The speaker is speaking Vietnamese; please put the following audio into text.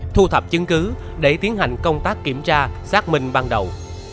thu thập chứng cứ để tiến hành công tác kiểm tra xác minh ban đầu